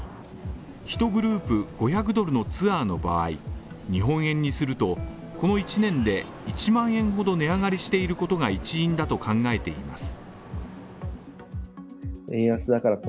１グループ５００ドルのツアーの場合、日本円にすると、この１年で１万円ほど値上がりしていることが一因だと考えています。